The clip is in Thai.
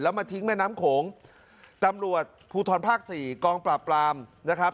มาทิ้งแม่น้ำโขงตำรวจภูทรภาคสี่กองปราบปรามนะครับ